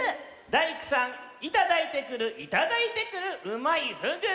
「大工さん板抱いてくるいただいてくるうまいふぐ」！